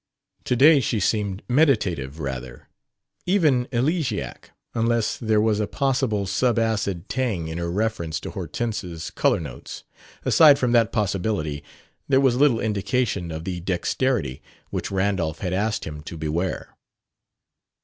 To day she seemed meditative, rather; even elegiac unless there was a possible sub acid tang in her reference to Hortense's color notes. Aside from that possibility, there was little indication of the "dexterity" which Randolph had asked him to beware.